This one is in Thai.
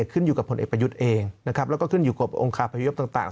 ขึ้นอยู่กับพลเอกประยุทธ์เองแล้วก็ขึ้นอยู่กับองค์คารประยุทธ์ต่าง